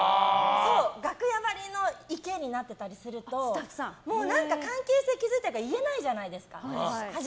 楽屋貼りが「池」になってたりするともう関係性築いてるから言えないじゃないですか。